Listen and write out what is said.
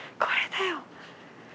これだよ。